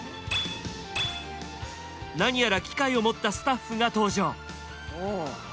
何やら機械を持ったスタッフが登場。